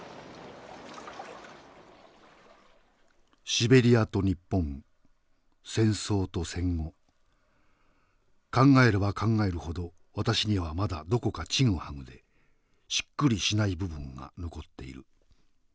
「シベリヤと日本戦争と戦後考えれば考えるほど私にはまだどこかちぐはぐでしっくりしない部分が残っている。